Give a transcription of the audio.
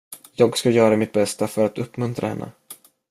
Jag ska göra mitt bästa för att uppmuntra henne.